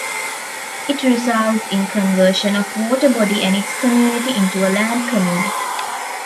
It results in conversion of water body and its community into a land community.